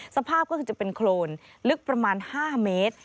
สภาพก็คือจะเป็นโครนลึกประมาณ๕เมตร